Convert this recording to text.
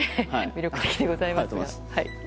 魅力的でございます。